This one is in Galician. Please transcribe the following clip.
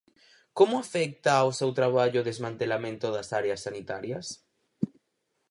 Como afecta ao seu traballo o desmantelamento das áreas sanitarias?